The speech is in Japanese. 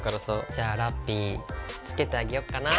じゃあラッピィ着けてあげようかな。